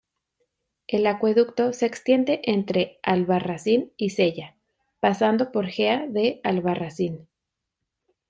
El acueducto se extiende entre Albarracín y Cella, pasando por Gea de Albarracín.